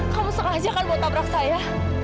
kamu sengaja kan mau tabrak saya